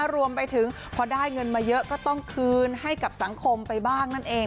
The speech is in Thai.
รวมไปถึงพอได้เงินมาเยอะก็ต้องคืนให้กับสังคมไปบ้างนั่นเอง